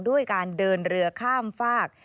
ด้วยการเดินเรือข้ามฝาก